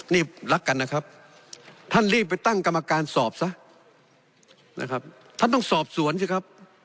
นี่รักกันนะครับท่านรีบไปตั้งกรรมการสอบซะนะครับท่านต้องสอบสวนสิครับ